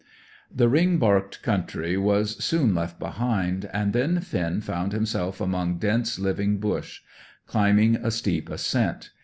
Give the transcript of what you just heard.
The ring barked country was soon left behind, and then Finn found himself among dense living bush, climbing a steep ascent.